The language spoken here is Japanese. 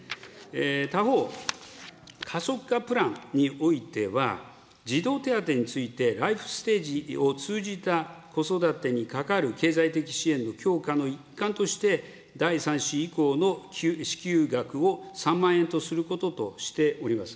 他方、プランにおいては児童手当について、ライフステージを通じた子育てにかかる経済的支援の強化の一環として、第３子以降の支給額を３万円とすることとしております。